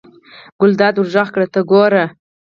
ګلداد ور غږ کړل: ته ګوره.